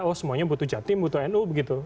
oh semuanya butuh jatim butuh nu begitu